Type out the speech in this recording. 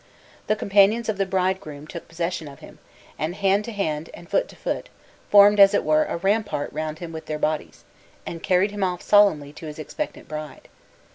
The companions of the bridegroom took possession of him, and, hand to hand and foot to foot, formed as it were a rampart round him with their bodies, and carried him off solemnly to his expectant bride.